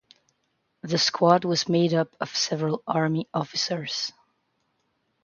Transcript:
The squad was made up of several Army officers.